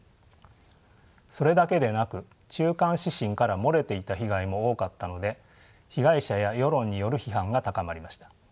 それだけでなく中間指針から漏れていた被害も多かったので被害者や世論による批判が高まりました。